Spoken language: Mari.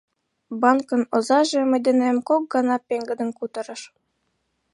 Банкын озаже мый денем кок гана пеҥгыдын кутырыш.